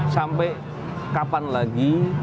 sampai kapan lagi